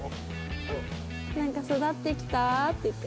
なんか育ってきた？って言って。